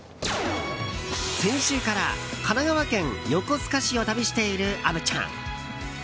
先週から神奈川県横須賀市を旅している、虻ちゃん。